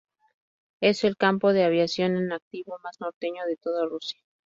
Es el campo de aviación en activo más norteño de toda Rusia.